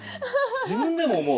自分でも思う？